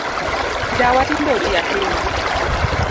Dawa tinde otii ahinya